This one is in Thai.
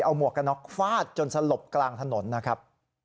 เอาหมวกกระน็อกฟาดจนสลบกลางถนนนะครับ